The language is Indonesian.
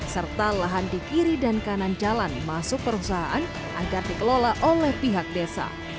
serta lahan di kiri dan kanan jalan masuk perusahaan agar dikelola oleh pihak desa